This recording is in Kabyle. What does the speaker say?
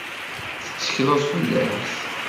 Tettekleḍ fell-as?